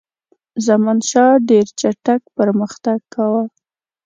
زمانشاه ډېر چټک پرمختګ کاوه.